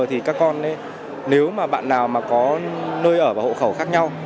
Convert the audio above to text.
thì các con nếu mà bạn nào mà có nơi ở và hộ khẩu khác nhau